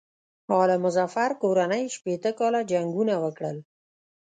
آل مظفر کورنۍ شپېته کاله جنګونه وکړل.